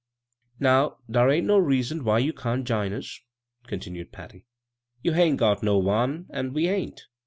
" Now dar ain't no reason why you can't jine us," continued Patty. " You hain't got no one, an' we hain't.